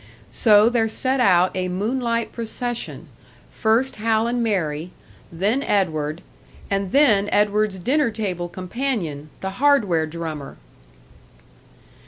So there set out a moon light procession first Hal and Mary, then Edward, and then Edward's dinner table companion, the "hardware drummer!"